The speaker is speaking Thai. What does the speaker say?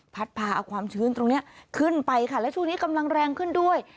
พาเอาความชื้นตรงนี้ขึ้นไปค่ะและช่วงนี้กำลังแรงขึ้นด้วย